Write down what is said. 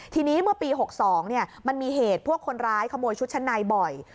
ทีนี้เมื่อปี๖๒มันมีเหตุพวกคนร้ายขโมยชุดชั้นในบ่อย